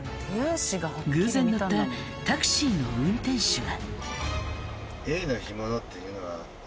偶然乗ったタクシーの運転手は。